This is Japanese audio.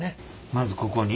まずここに？